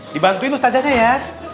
dibantuin ustazahnya ya